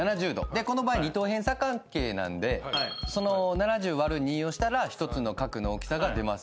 この場合二等辺三角形なんで７０割る２をしたら１つの角の大きさが出ます。